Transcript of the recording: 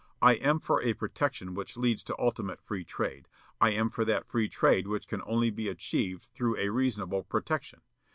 I am for a protection which leads to ultimate free trade. I am for that free trade which can only be achieved through a reasonable protection....